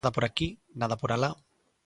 Nada por aquí, nada por alá.